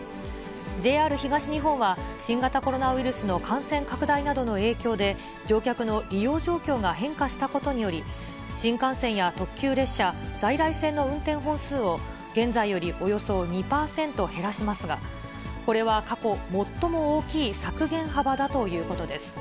ＪＲ東日本は、新型コロナウイルスの感染拡大などの影響で、乗客の利用状況が変化したことにより、新幹線や特急列車、在来線の運転本数を現在よりおよそ２％減らしますが、これは過去最も大きい削減幅だということです。